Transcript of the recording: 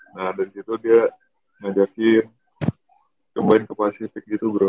nah dari situ dia ngajakin kembali ke pasifik gitu grou